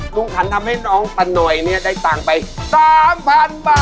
ขันทำให้น้องตะหน่อยเนี่ยได้ตังค์ไป๓๐๐๐บาท